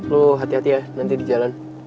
lu hati hati ya nanti di jalan